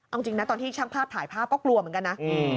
เอาจริงนะตอนที่ช่างภาพถ่ายภาพก็กลัวเหมือนกันนะ